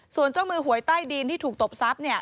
ส่วนเจ้ามือหวยใต้ดินที่ถูกตบทรัพย์